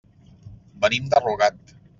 Venim de Rugat.